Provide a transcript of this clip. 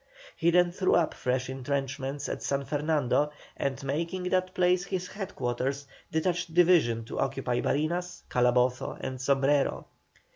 He then threw up fresh entrenchments at San Fernando, and making that place his head quarters, detached divisions to occupy Barinas, Calabozo, and Sombrero.